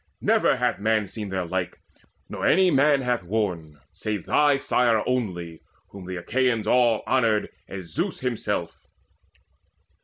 Never man Hath seen their like, nor any man hath worn, Save thy sire only, whom the Achaeans all Honoured as Zeus himself.